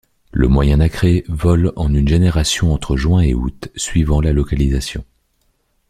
Le Moyen nacré vole en une génération entre juin et août suivant la localisation.